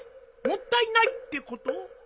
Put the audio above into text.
もったいないってこと？